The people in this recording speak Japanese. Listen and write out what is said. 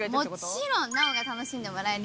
もちろん奈央が楽しんでもらえるように。